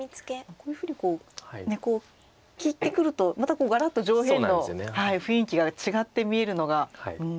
こういうふうに利いてくるとまたガラッと上辺の雰囲気が違って見えるのが。